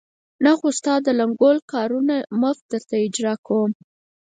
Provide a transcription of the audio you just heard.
نه، خو ستا د لنګول کارونه مفت درته اجرا کوم.